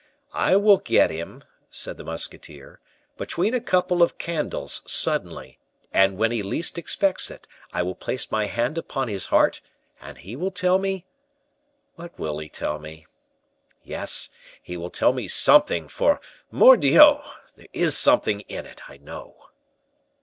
"I will get him," said the musketeer, "between a couple of candles, suddenly, and when he least expects it, I will place my hand upon his heart, and he will tell me What will he tell me? Yes, he will tell me something, for mordioux! there is something in it, I know."